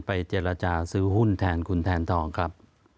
เจรจาซื้อหุ้นแทนคุณแทนทองครับ